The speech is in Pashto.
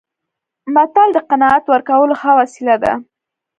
متل د قناعت ورکولو ښه وسیله ده